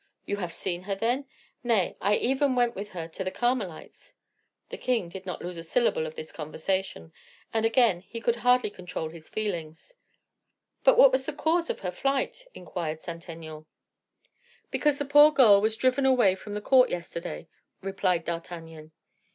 "You have seen her, then?" "Nay, I even went with her to the Carmelites." The king did not lose a syllable of this conversation; and again he could hardly control his feelings. "But what was the cause of her flight?" inquired Saint Aignan. "Because the poor girl was driven away from the court yesterday," replied D'Artagnan.